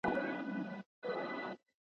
څېړونکی باید د فریب څخه ځان وساتي.